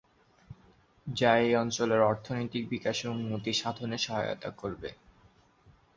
যা এই অঞ্চলের অর্থনৈতিক বিকাশের উন্নতি সাধনে সহায়তা করবে।